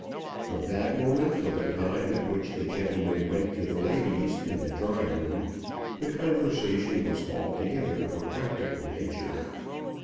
From that moment till the time at which the gentlemen went to the ladies in the drawing room the conversation was altogether of a practical nature.